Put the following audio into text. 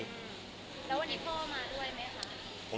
แล้ววันนี้พ่อมาด้วยไหมคะ